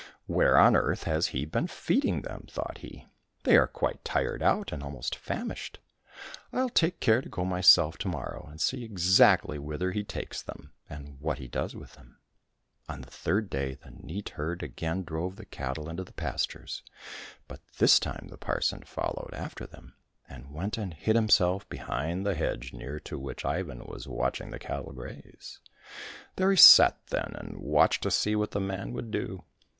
" Where on earth has he been feeding them ?" thought he ;'' they are quite tired out and almost famished ! I'll take care to go myself to morrow, and see exactly whither he takes them, and what he does with them." On the third day ^ A karhovanets is about four shillings. 232 IVAN THE FOOL the neat herd again drove the cattle into the pastures, but this time the parson followed after them, and went and hid himself behind the hedge near to which Ivan was watching the cattle graze. There he sat then, and watched to see what the man would do.